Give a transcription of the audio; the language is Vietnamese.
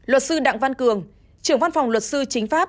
luật sư đặng văn cường trưởng văn phòng luật sư chính pháp